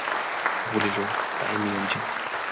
বলিল, তাই নিয়ম যে।